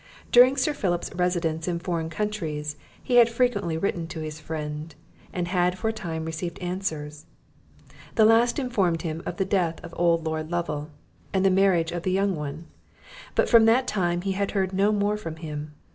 During Sir Philip's residence in foreign countries, he had frequently written to his friend, and had for a time received answers; the last informed him of the death of old Lord Lovel, and the marriage of the young one; but from that time he had heard no more from him.